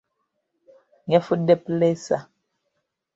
Yafudde puleesa.